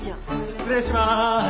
失礼します。